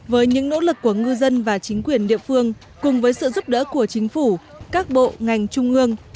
với những nỗ lực của ngư dân và chính quyền địa phương cùng với sự giúp đỡ của chính phủ các bộ ngành trung ương